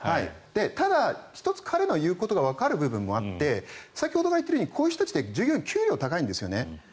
ただ、１つ彼の言うことがわかる部分もあって先ほどから言っているようにこの人たちって給与が高いんですね。